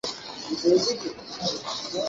আমার কিছু যায় আসে না।